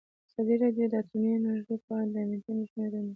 ازادي راډیو د اټومي انرژي په اړه د امنیتي اندېښنو یادونه کړې.